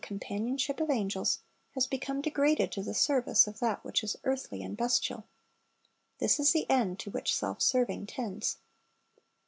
companionship of angels, has become degraded to the ser\ice of that which is earthly and bestial. This is the end to which self serving tends.